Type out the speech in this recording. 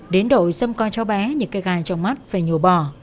đến đội sâm coi cháu bé như cây gai trong mắt phải nhổ bỏ